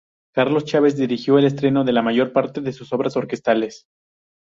Carlos Chávez dirigió el estreno de la mayor parte de sus obras orquestales.